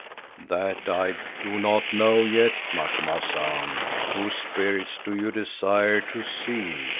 "That I do not know yet, Macumazahn. Whose spirits do you desire to see?